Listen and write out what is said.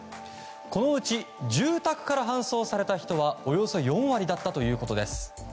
このうち住宅から搬送された人はおよそ４割だったということです。